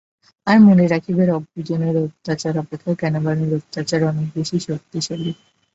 আর মনে রাখিবেন, অজ্ঞ-জনের অত্যাচার অপেক্ষা জ্ঞানবানের অত্যাচার অনেক বেশী শক্তিশালী।